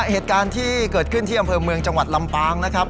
เหตุการณ์ที่เกิดขึ้นที่อำเภอเมืองจังหวัดลำปางนะครับ